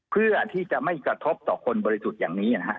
เพื่อที่จะไม่กระทบต่อคนบริสุทธิ์อย่างนี้นะฮะ